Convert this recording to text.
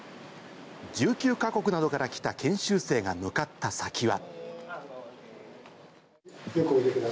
１９か国などから来た研修生が向かった先は。